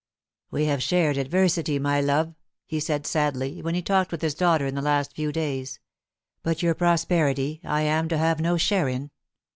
"We have shared adversity, my love," he said sadly, when he talked with his daughter in the last few days; "but your prosperity I am to have no share in.